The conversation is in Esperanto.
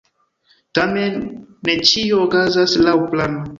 Tamen ne ĉio okazas laŭ plano.